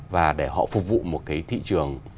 và để họ phục vụ một cái thị trường